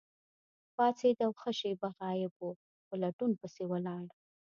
پاڅید او ښه شیبه غایب وو، په لټون پسې ولاړ.